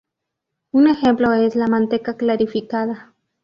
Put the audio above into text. Un ejemplo es la manteca clarificada.